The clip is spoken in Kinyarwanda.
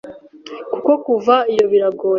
kuko kuva iyo biragoye